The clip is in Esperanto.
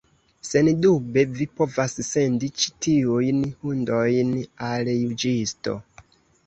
Sendube, vi povas sendi ĉi tiujn hundojn al juĝisto.